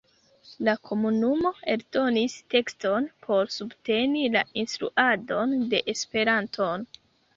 La komunumo eldonis tekston por subteni la instruadon de Esperanton.